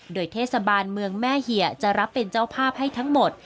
โดยเทศบาลเมืองแม่เหี่ยจะรับเป็นเจ้าภาพให้ทั้งหมด